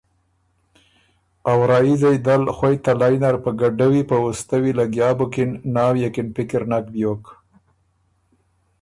ا ورائیځئ دل خوئ تلئ نر په ګډوّی په وُستوّی لګیا بُکِن، ناويې کی ن پِکر نک بیوک۔